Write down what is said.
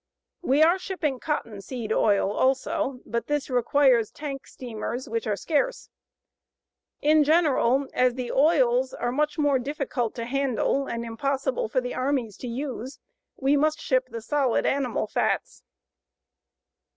We are shipping cottonseed oil also, but this requires tank steamers, which are scarce. In general, as the oils are much more difficult to handle and impossible for the armies to use, we must ship the solid animal fats.